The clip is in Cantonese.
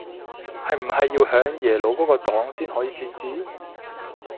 係唔係要向耶魯嗰個檔先可以設置